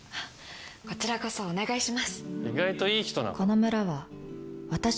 こちらこそお願いします。